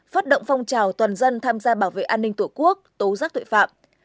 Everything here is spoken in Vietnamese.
phát động phong trào toàn dân tham gia bảo vệ an ninh tổ quốc tố giác tội phạm